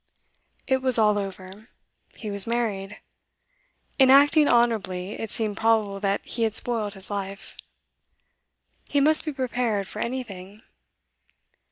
It was all over; he was married. In acting honourably, it seemed probable that he had spoilt his life. He must be prepared for anything.